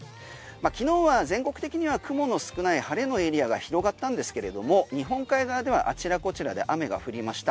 昨日は全国的には雲の少ない晴れのエリアが広がったんですけれども日本海側ではあちらこちらで雨が降りました。